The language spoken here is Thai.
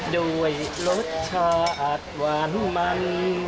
ด้วยรสชาติหวานมัน